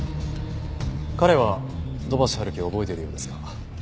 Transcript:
彼は土橋春樹を覚えているようですが。